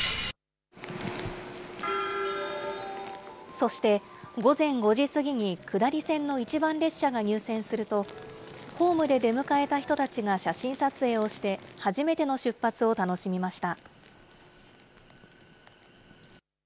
そして、午前５時過ぎに下り線の一番列車が入線すると、ホームで出迎えた人たちが写真撮影をして、初めての出発を楽しみました。